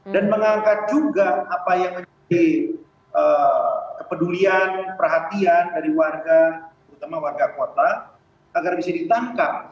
dan mengangkat juga apa yang menjadi kepedulian perhatian dari warga terutama warga kota agar bisa ditangkap